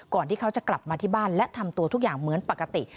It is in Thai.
ที่เขาจะกลับมาที่บ้านและทำตัวทุกอย่างเหมือนปกติ